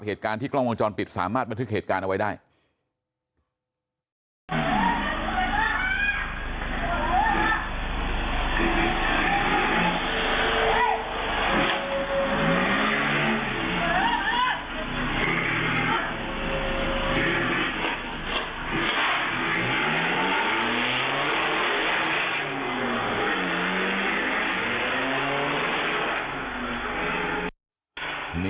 เหตุการณ์ที่กล้องวงจรปิดสามารถบันทึกเหตุการณ์เอาไว้ได้